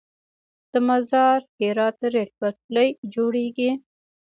د مزار - هرات ریل پټلۍ جوړیږي؟